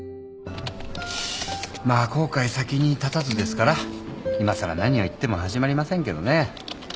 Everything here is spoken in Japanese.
まあ後悔先に立たずですからいまさら何を言っても始まりませんけどね。